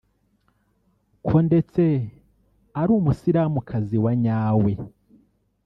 ko ndetse ari umusilamukazi wa nyawe